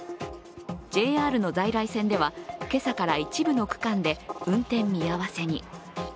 ＪＲの在来線では、今朝から一部の区間で運転見合わせに。